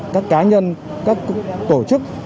các cá nhân các tổ chức